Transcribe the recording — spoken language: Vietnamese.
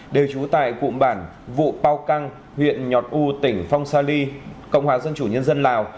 đều trú tại cụm bản vụ bao căng huyện nhọt u tỉnh phong sa ly cộng hòa dân chủ nhân dân lào